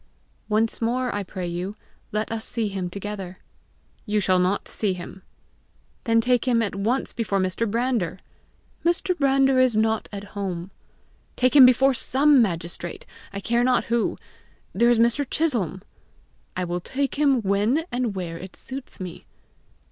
"Once more I pray you, let us see him together." "You shall not see him." "Then take him at once before Mr. Brander." "Mr. Brander is not at home." "Take him before SOME magistrate I care not who. There is Mr. Chisholm!" "I will take him when and where it suits me."